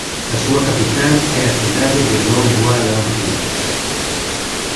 A súa capital é a cidade de Nong Bua Lam Phu.